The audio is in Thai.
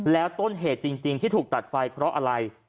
แล้วต้นเหตุจริงที่ถูกตัดไฟเพราะอะไร